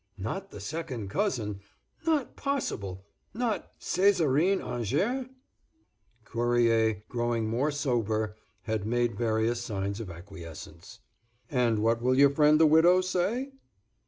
"Not the second cousin—not possible—not Césarine Angers?" Cuerrier, grown more sober, had made various signs of acquiescence. "And what will your friend the widow say?"